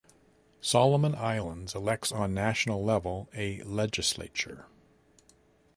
Solomon Islands elects on national level a legislature.